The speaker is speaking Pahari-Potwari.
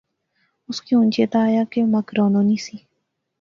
اُس کی ہن چیتا آیا کہ مک رانو نی سی